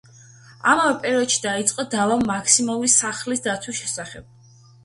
ამავე პერიოდში დაიწყო დავა მაქსიმოვის სახლის დაცვის შესახებ.